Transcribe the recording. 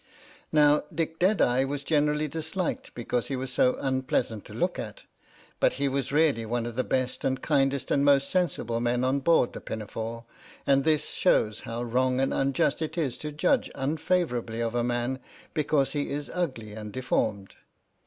Now Dick Deadeye was generally disliked because he was so unpleasant to look at, but he was really one of the best and kindest and most sensible men on board the Pinafore, and this shows how wrong and unjust it is to judge un favourably of a man because he is ugly and deformed.